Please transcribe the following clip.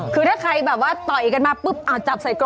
คือถ้าใครแบบว่าต่อยกันมาปุ๊บเอาจับใส่ก่อน